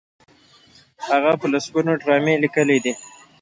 هغه په لسګونو ډرامې لیکلي دي.